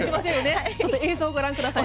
ちょっと映像をご覧ください。